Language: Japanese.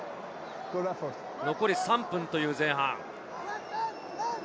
残り３分という前半。